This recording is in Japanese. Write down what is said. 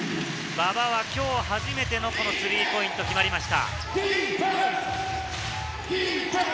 馬場は今日初めての、このスリーポイントが決まりました。